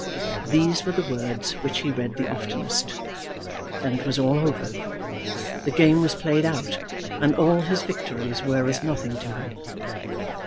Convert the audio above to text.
These were the words which he read the oftenest. Then it was all over! The game was played out, and all his victories were as nothing to him.